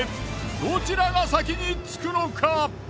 どちらが先に着くのか！？